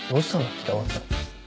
北脇さん。